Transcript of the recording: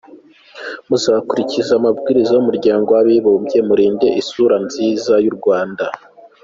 Muzakurikize amabwiriza y’umuryango w’abibumbye, murinde isura nziza y’u Rwanda.